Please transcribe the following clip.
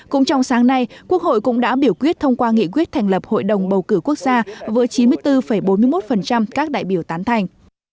cũng trong sáng nay quốc hội cũng đã biểu quyết thông qua nghị quyết thành lập hội đồng bầu cử quốc gia với chín mươi bốn bốn mươi một các đại biểu tán thành